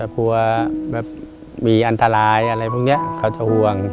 พ่อมีอันทรายอะไรพวกนี้เขาจะห่วง